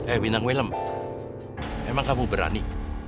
eh bintang willem emang kamu berani